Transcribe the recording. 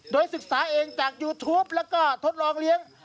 โดยศึกษาเองจากยูทูปแล้วก็ทดลองเลี้ยง